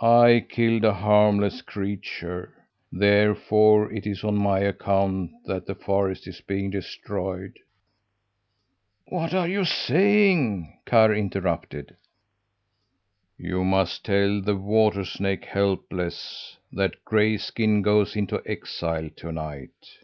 I killed a harmless creature; therefore it is on my account that the forest is being destroyed." "What are you saying?" Karr interrupted. "You may tell the water snake, Helpless, that Grayskin goes into exile to night!"